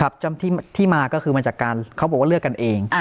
ที่มาก็คือมาจากการเขาบอกว่าเลือกกันเอง